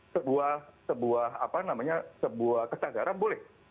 sebuah kesadaran boleh